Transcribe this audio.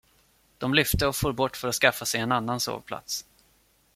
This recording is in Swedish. De lyfte och for bort för att skaffa sig en annan sovplats.